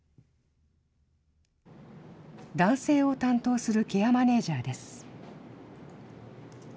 男性を担当するケアマネージャーです。